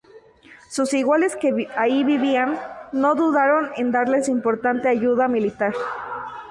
Sus iguales que ahí vivían no dudaron en darles importante ayuda militar.